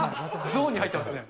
ゾーンに入ってますね。